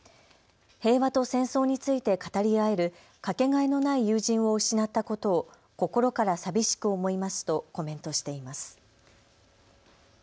平和と戦争について語り合えるかけがえのない友人を失ったことを心から寂しく思いますとコメントしています。